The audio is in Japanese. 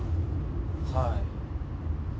はい。